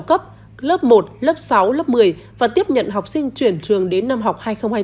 lớp một lớp sáu lớp một mươi và tiếp nhận học sinh chuyển trường đến năm học hai nghìn hai mươi bốn hai nghìn hai mươi năm